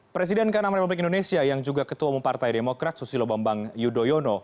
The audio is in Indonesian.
presiden ke enam republik indonesia yang juga ketua umum partai demokrat susilo bambang yudhoyono